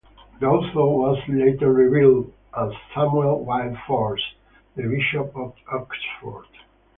The author was later revealed as Samuel Wilberforce, the Bishop of Oxford.